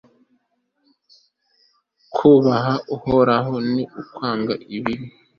kubaha uhoraho, ni ukwanga ikibi